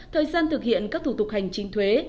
thời gian thực hiện các thủ tục hành chính thuế